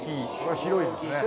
広いですね。